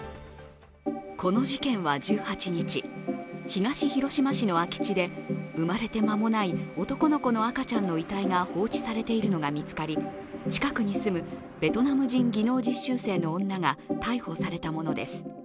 この事件は１８日、東広島市の空き地で生まれて間もない男の子の赤ちゃんの遺体が放置されているのが見つかり近くに住むベトナム人技能実習生の女が逮捕されたものです。